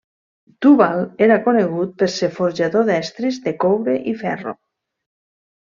Tubal era conegut per ser forjador d'estris de coure i ferro.